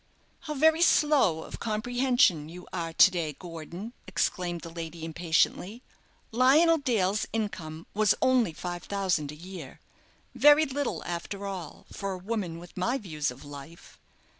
"How very slow of comprehension you are to day, Gordon!" exclaimed the lady, impatiently; "Lionel Dale's income was only five thousand a year very little, after all, for a woman with my views of life."